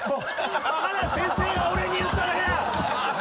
バカな先生が俺に言っただけだ！